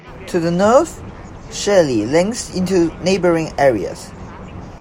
To the north, Shirley links into neighbouring areas.